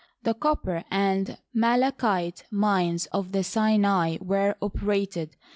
The copper and malachite mines of the Sinai were operated.